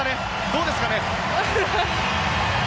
どうですかね。